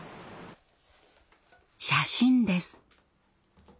写真です。